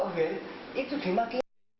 oh ya itu dimakai